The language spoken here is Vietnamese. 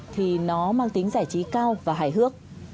thì nó mang tính giải trí cao và hài hước